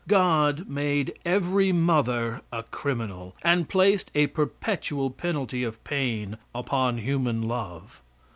God made every mother a criminal, and placed a perpetual penalty of pain upon human love.